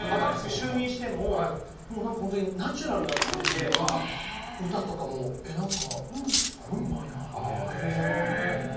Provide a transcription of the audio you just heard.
新しく就任してもナチュラルな感じで歌とかもすごいうまいなっていう。